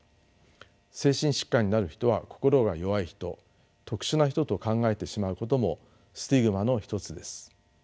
精神疾患になる人は心が弱い人特殊な人と考えてしまうこともスティグマの一つです。